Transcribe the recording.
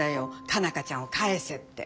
佳奈花ちゃんを返せって。